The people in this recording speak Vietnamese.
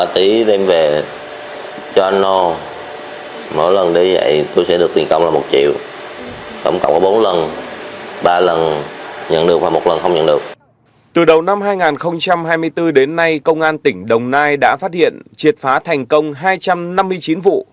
từ đầu năm hai nghìn hai mươi bốn đến nay công an tỉnh đồng nai đã phát hiện triệt phá thành công hai trăm năm mươi chín vụ